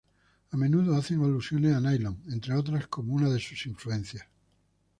A menudo hacen alusiones a Nylon, entre otras, como una de sus influencias.